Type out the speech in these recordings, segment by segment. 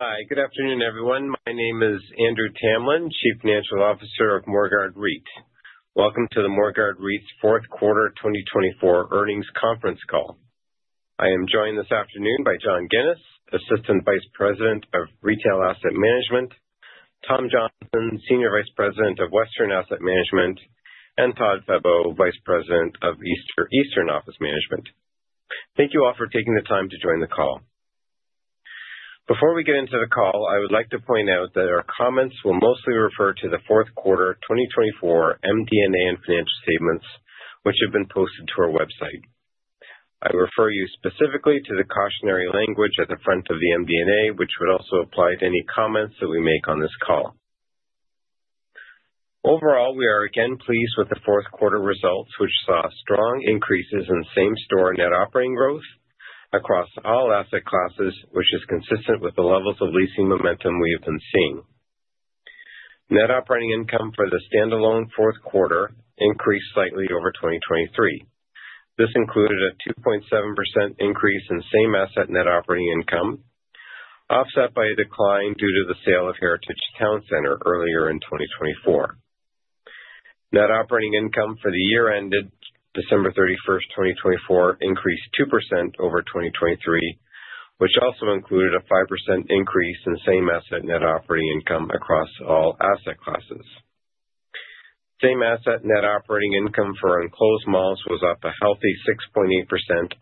Hi. Good afternoon, everyone. My name is Andrew Tamlin, Chief Financial Officer of Morguard REIT. Welcome to the Morguard REIT's fourth quarter 2024 earnings conference call. I am joined this afternoon by John Ginis, Assistant Vice President of Retail Asset Management; Tom Johnston, Senior Vice President of Western Asset Management; and Todd Febbo, Vice President of Eastern Office Management. Thank you all for taking the time to join the call. Before we get into the call, I would like to point out that our comments will mostly refer to the fourth quarter 2024 MD&A and financial statements, which have been posted to our website. I refer you specifically to the cautionary language at the front of the MD&A, which would also apply to any comments that we make on this call. Overall, we are again pleased with the fourth quarter results, which saw strong increases in same-store net operating growth across all asset classes, which is consistent with the levels of leasing momentum we have been seeing. Net operating income for the standalone fourth quarter increased slightly over 2023. This included a 2.7% increase in same-asset net operating income, offset by a decline due to the sale of Heritage Town Centre earlier in 2024. Net operating income for the year ended December 31, 2024, increased 2% over 2023, which also included a 5% increase in same-asset net operating income across all asset classes. Same-asset net operating income for enclosed malls was up a healthy 6.8%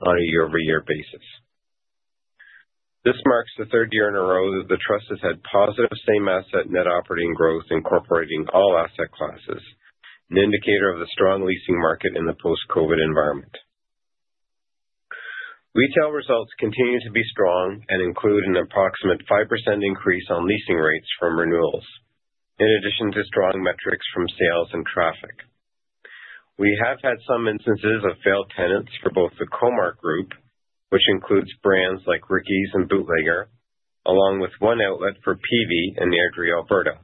on a year-over-year basis. This marks the third year in a row that the trust has had positive same-asset net operating growth incorporating all asset classes, an indicator of the strong leasing market in the post-COVID environment. Retail results continue to be strong and include an approximate 5% increase on leasing rates from renewals, in addition to strong metrics from sales and traffic. We have had some instances of failed tenants for both the Comark Group, which includes brands like Ricki's and Bootlegger, along with one outlet for Peavey Mart in Nisku, Alberta.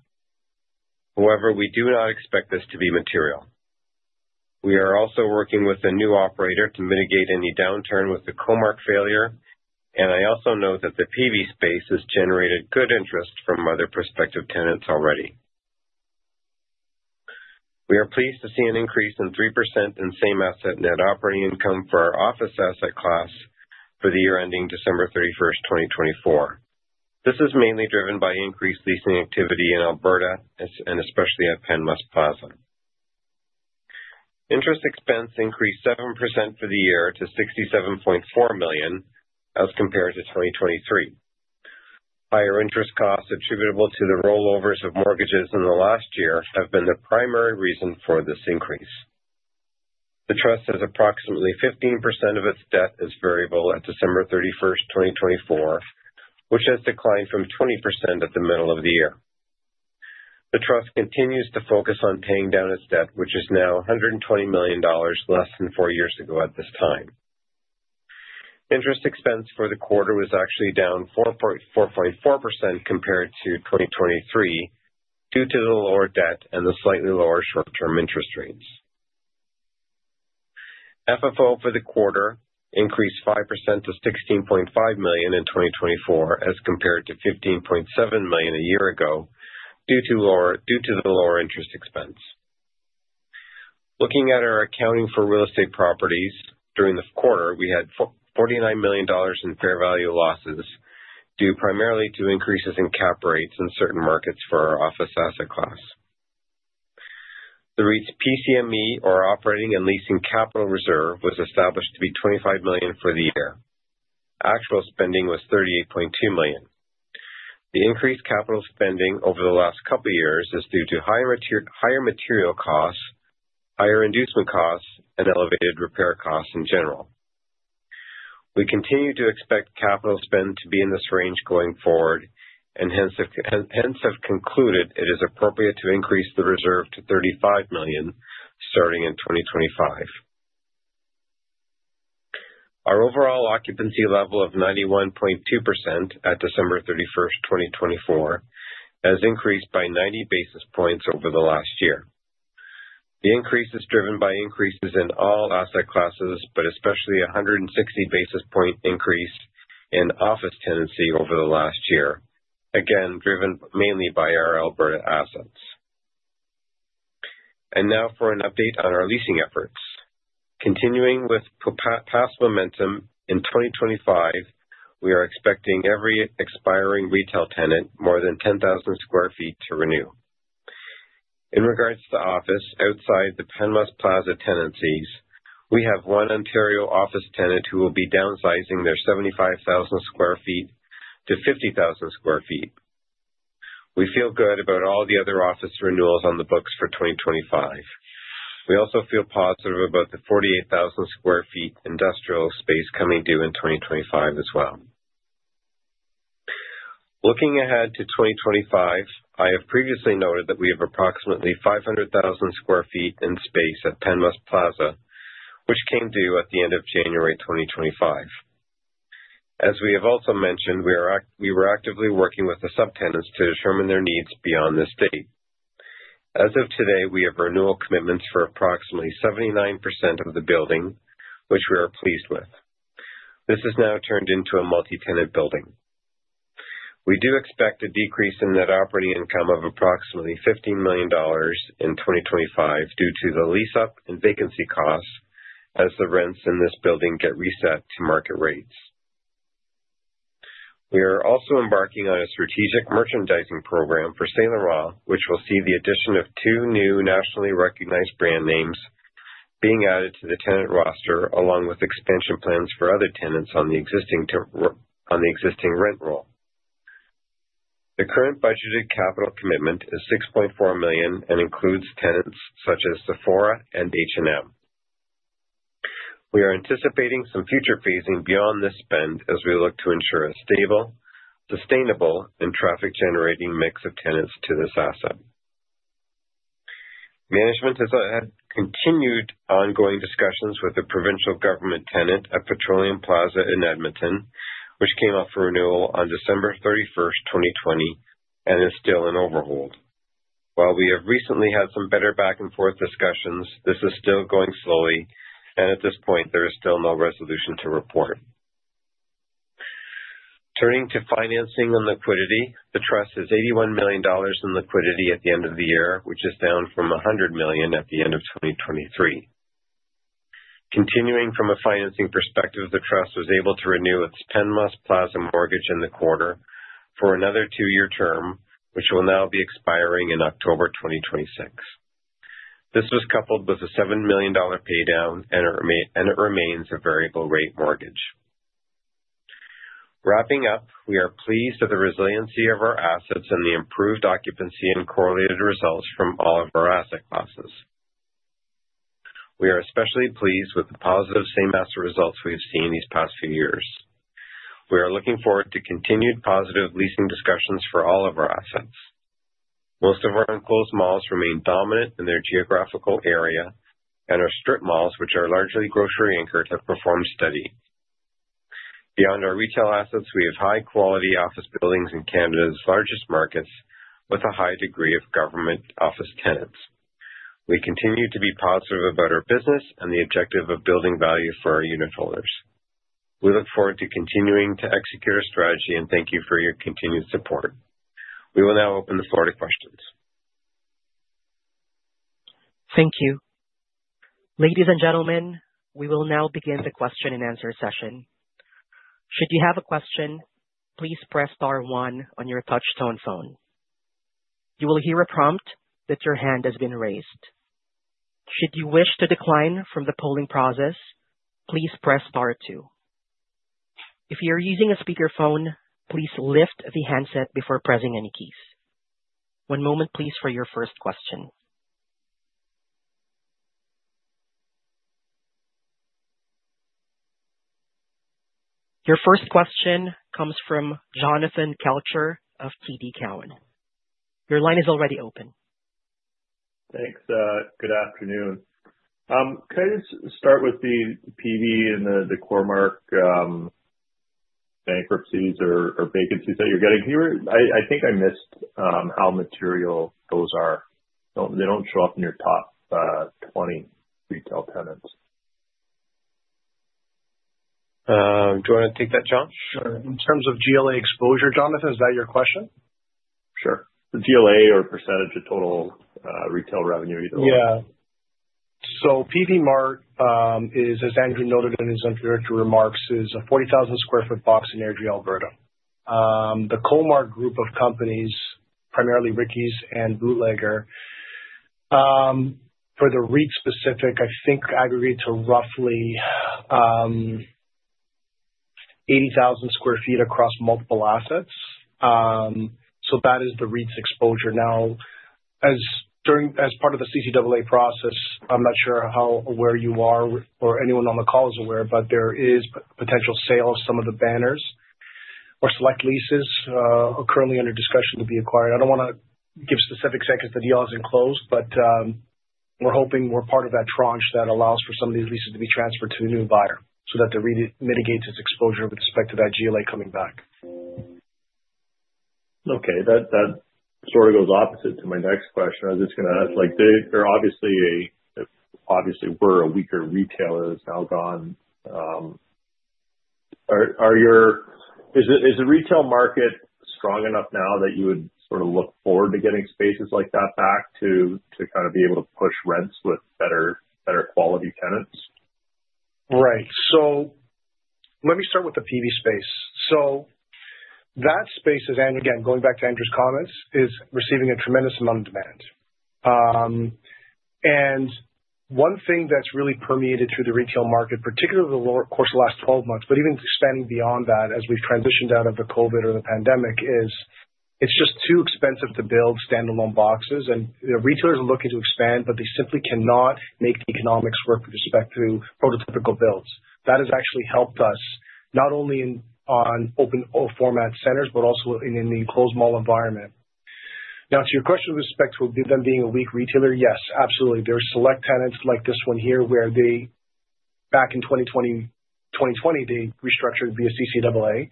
However, we do not expect this to be material. We are also working with a new operator to mitigate any downturn with the CoMark failure, and I also know that the Peavey Mart space has generated good interest from other prospective tenants already. We are pleased to see an increase in 3% in same-asset net operating income for our office asset class for the year ending December 31, 2024. This is mainly driven by increased leasing activity in Alberta, and especially at Penn West Plaza. Interest expense increased 7% for the year to $67.4 million as compared to 2023. Higher interest costs attributable to the rollovers of mortgages in the last year have been the primary reason for this increase. The trust has approximately 15% of its debt as variable at December 31, 2024, which has declined from 20% at the middle of the year. The trust continues to focus on paying down its debt, which is now $120 million less than four years ago at this time. Interest expense for the quarter was actually down 4.4% compared to 2023 due to the lower debt and the slightly lower short-term interest rates. FFO for the quarter increased 5% to $16.5 million in 2024 as compared to $15.7 million a year ago due to the lower interest expense. Looking at our accounting for real estate properties during the quarter, we had $49 million in fair value losses due primarily to increases in cap rates in certain markets for our office asset class. The REIT's PCME, or Operating and Leasing Capital Reserve, was established to be $25 million for the year. Actual spending was $38.2 million. The increased capital spending over the last couple of years is due to higher material costs, higher inducement costs, and elevated repair costs in general. We continue to expect capital spend to be in this range going forward, and hence have concluded it is appropriate to increase the reserve to $35 million starting in 2025. Our overall occupancy level of 91.2% at December 31, 2024, has increased by 90 basis points over the last year. The increase is driven by increases in all asset classes, especially a 160 basis point increase in office tenancy over the last year, again driven mainly by our Alberta assets. Now for an update on our leasing efforts. Continuing with past momentum, in 2025, we are expecting every expiring retail tenant more than 10,000 sq ft to renew. In regards to office, outside the Penmust Plaza tenancies, we have one Ontario office tenant who will be downsizing their 75,000 sq ft-50,000 sq ft. We feel good about all the other office renewals on the books for 2025. We also feel positive about the 48,000 sq ft industrial space coming due in 2025 as well. Looking ahead to 2025, I have previously noted that we have approximately 500,000 sq ft in space at Penn West Plaza, which came due at the end of January 2025. As we have also mentioned, we were actively working with the subtenants to determine their needs beyond this date. As of today, we have renewal commitments for approximately 79% of the building, which we are pleased with. This has now turned into a multi-tenant building. We do expect a decrease in net operating income of approximately $15 million in 2025 due to the lease-up and vacancy costs as the rents in this building get reset to market rates. We are also embarking on a strategic merchandising program for Saint Laurent, which will see the addition of two new nationally recognized brand names being added to the tenant roster, along with expansion plans for other tenants on the existing rent rule. The current budgeted capital commitment is $6.4 million and includes tenants such as Sephora and H&M. We are anticipating some future phasing beyond this spend as we look to ensure a stable, sustainable, and traffic-generating mix of tenants to this asset. Management has had continued ongoing discussions with the provincial government tenant at Petroleum Plaza in Edmonton, which came up for renewal on December 31, 2020, and is still in overhaul. While we have recently had some better back-and-forth discussions, this is still going slowly, and at this point, there is still no resolution to report. Turning to financing and liquidity, the trust has $81 million in liquidity at the end of the year, which is down from $100 million at the end of 2023. Continuing from a financing perspective, the trust was able to renew its Penmust Plaza mortgage in the quarter for another two-year term, which will now be expiring in October 2026. This was coupled with a $7 million paydown, and it remains a variable-rate mortgage. Wrapping up, we are pleased with the resiliency of our assets and the improved occupancy and correlated results from all of our asset classes. We are especially pleased with the positive same-asset results we have seen these past few years. We are looking forward to continued positive leasing discussions for all of our assets. Most of our enclosed malls remain dominant in their geographical area, and our strip malls, which are largely grocery-anchored, have performed steady. Beyond our retail assets, we have high-quality office buildings in Canada's largest markets with a high degree of government office tenants. We continue to be positive about our business and the objective of building value for our unit owners. We look forward to continuing to execute our strategy, and thank you for your continued support. We will now open the floor to questions. Thank you. Ladies and gentlemen, we will now begin the question-and-answer session. Should you have a question, please press star one on your touch-tone phone. You will hear a prompt that your hand has been raised. Should you wish to decline from the polling process, please press star two. If you are using a speakerphone, please lift the handset before pressing any keys. One moment, please, for your first question. Your first question comes from Jonathan Kelcher of TD Cowen. Your line is already open. Thanks. Good afternoon. Could I just start with the Peavey Mart and the CoMark bankruptcies or vacancies that you're getting? I think I missed how material those are. They don't show up in your top 20 retail tenants. Do you want to take that, John? Sure. In terms of GLA exposure, Jonathan, is that your question? Sure. The GLA or percentage of total retail revenue, either way. Yeah. Peavey Mart is, as Andrew noted in his introductory remarks, a 40,000 sq ft box in Nisku, Alberta. The CoMark Group of companies, primarily Rickies and Bootlegger, for the REIT specific, I think aggregate to roughly 80,000 sq ft across multiple assets. That is the REIT's exposure. Now, as part of the CCAA process, I'm not sure how aware you are or anyone on the call is aware, but there is potential sale of some of the banners or select leases currently under discussion to be acquired. I don't want to give specifics because the deal isn't closed, but we're hoping we're part of that tranche that allows for some of these leases to be transferred to a new buyer so that the REIT mitigates its exposure with respect to that GLA coming back. Okay. That sort of goes opposite to my next question. I was just going to ask, there obviously were a weaker retailer that's now gone. Is the retail market strong enough now that you would sort of look forward to getting spaces like that back to kind of be able to push rents with better quality tenants? Right. Let me start with the Peavey Mart space. That space is, and again, going back to Andrew's comments, receiving a tremendous amount of demand. One thing that's really permeated through the retail market, particularly over the course of the last 12 months, but even expanding beyond that as we've transitioned out of the COVID or the pandemic, is it's just too expensive to build standalone boxes. Retailers are looking to expand, but they simply cannot make the economics work with respect to prototypical builds. That has actually helped us not only on open format centers, but also in the enclosed mall environment. Now, to your question with respect to them being a weak retailer, yes, absolutely. There are select tenants like this one here where back in 2020, they restructured via CCAA,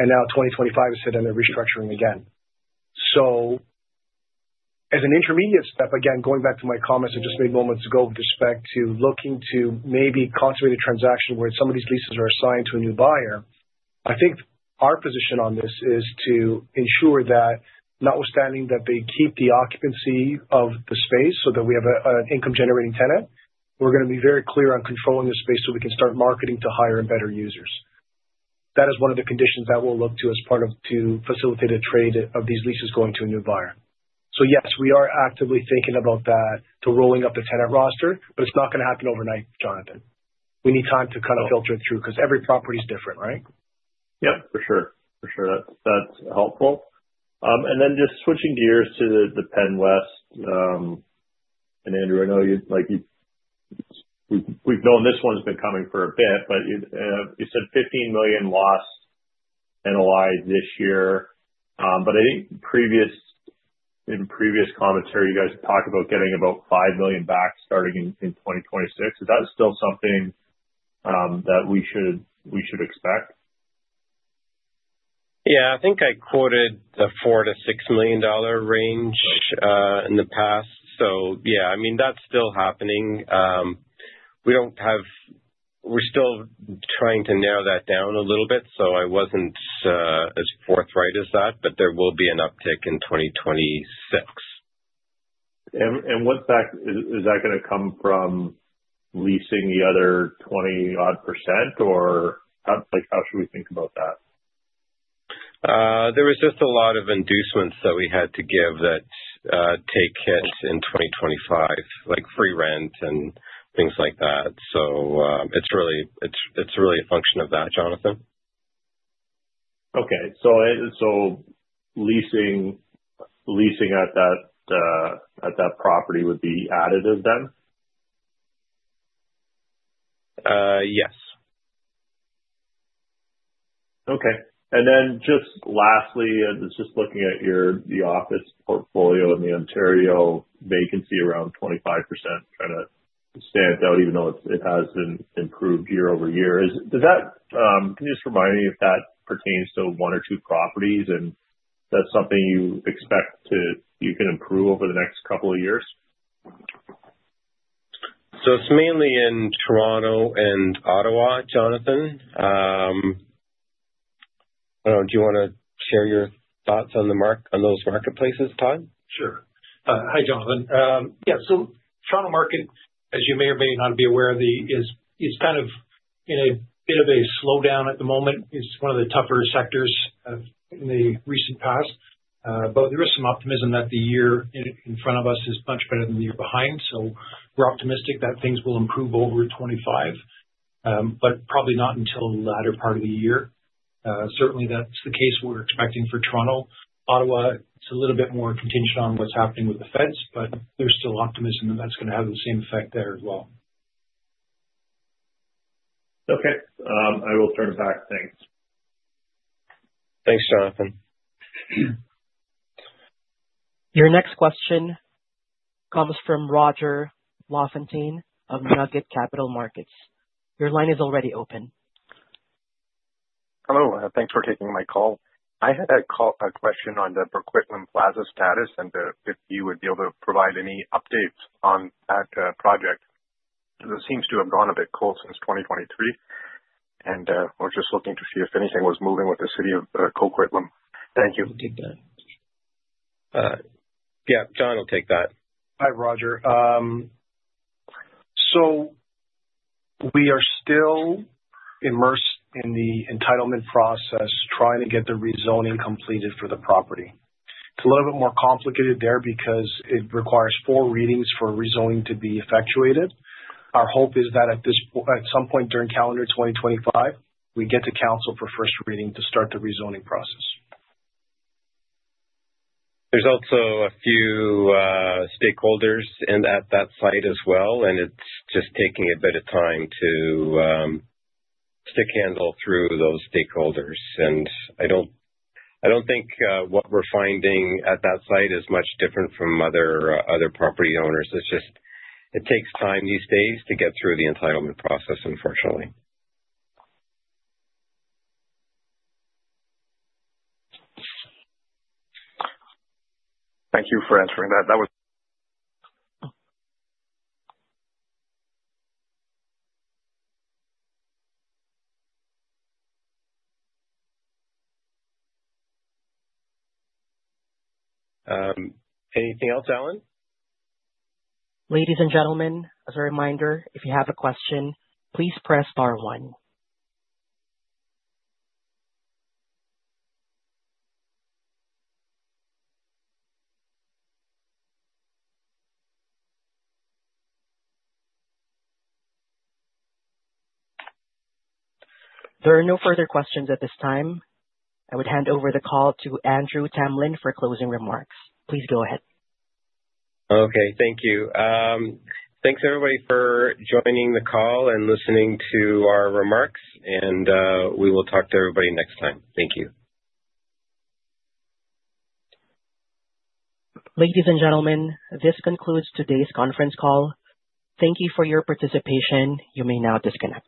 and now 2025 has hit and they're restructuring again. As an intermediate step, again, going back to my comments I just made moments ago with respect to looking to maybe consummate a transaction where some of these leases are assigned to a new buyer, I think our position on this is to ensure that, notwithstanding that they keep the occupancy of the space so that we have an income-generating tenant, we're going to be very clear on controlling the space so we can start marketing to higher and better users. That is one of the conditions that we'll look to as part of to facilitate a trade of these leases going to a new buyer. Yes, we are actively thinking about that, to rolling up the tenant roster, but it's not going to happen overnight, Jonathan. We need time to kind of filter it through because every property is different, right? Yep. For sure. For sure. That's helpful. Just switching gears to the Penmust. Andrew, I know we've known this one's been coming for a bit, but you said $15 million lost NOI this year. I think in previous commentary, you guys talked about getting about $5 million back starting in 2026. Is that still something that we should expect? Yeah. I think I quoted the $4-$6 million range in the past. Yeah, I mean, that's still happening. We're still trying to narrow that down a little bit, so I wasn't as forthright as that, but there will be an uptick in 2026. Is that going to come from leasing the other 20-odd percent, or how should we think about that? There was just a lot of inducements that we had to give that take hits in 2025, like free rent and things like that. It is really a function of that, Jonathan. Okay. So leasing at that property would be additive then? Yes. Okay. Lastly, just looking at your office portfolio in the Ontario vacancy around 25%, trying to stamp out, even though it has improved year over year. Can you just remind me if that pertains to one or two properties, and that's something you expect you can improve over the next couple of years? It is mainly in Toronto and Ottawa, Jonathan. I do not know. Do you want to share your thoughts on those marketplaces, Todd? Sure. Hi, Jonathan. Yeah. Toronto market, as you may or may not be aware, is kind of in a bit of a slowdown at the moment. It is one of the tougher sectors in the recent past. There is some optimism that the year in front of us is much better than the year behind. We are optimistic that things will improve over 2025, but probably not until the latter part of the year. Certainly, that is the case we are expecting for Toronto. Ottawa, it is a little bit more contingent on what is happening with the feds, but there is still optimism that that is going to have the same effect there as well. Okay. I will turn it back. Thanks. Thanks, Jonathan. Your next question comes from Roger Lafontaine of Nugget Capital Markets. Your line is already open. Hello. Thanks for taking my call. I had a question on the Burquitlam Plaza status and if you would be able to provide any updates on that project. It seems to have gone a bit cold since 2023, and we're just looking to see if anything was moving with the city of Coquitlam. Thank you. Yeah. John will take that. Hi, Roger. We are still immersed in the entitlement process, trying to get the rezoning completed for the property. It is a little bit more complicated there because it requires four readings for rezoning to be effectuated. Our hope is that at some point during calendar 2025, we get to council for first reading to start the rezoning process are also a few stakeholders at that site as well, and it's just taking a bit of time to stick handle through those stakeholders. I don't think what we're finding at that site is much different from other property owners. It takes time these days to get through the entitlement process, unfortunately. Thank you for answering that. That was. Anything else, Alan? Ladies and gentlemen, as a reminder, if you have a question, please press star one. There are no further questions at this time. I would hand over the call to Andrew Tamlin for closing remarks. Please go ahead. Okay. Thank you. Thanks, everybody, for joining the call and listening to our remarks, and we will talk to everybody next time. Thank you. Ladies and gentlemen, this concludes today's conference call. Thank you for your participation. You may now disconnect.